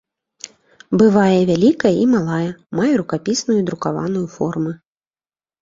Бывае вялікая і малая, мае рукапісную і друкаваную формы.